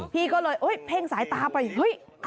พี่ก็เลยท่องสายตาก็เลยไป